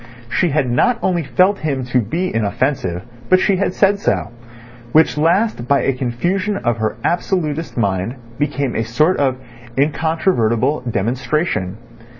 She had not only felt him to be inoffensive, but she had said so, which last by a confusion of her absolutist mind became a sort of incontrovertible demonstration.